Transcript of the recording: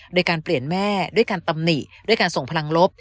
โดยการเปลี่ยนแม่ด้วยการตำหนิด้วยการส่งพลังลบ